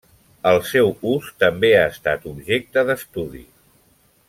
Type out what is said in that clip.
El seu ús també ha estat objecte d'estudi.